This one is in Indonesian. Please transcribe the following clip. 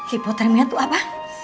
hipotermia tuh apa